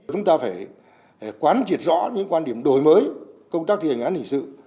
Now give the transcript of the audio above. chúng ta phải quán triệt rõ những quan điểm đổi mới công tác thi hành án hình sự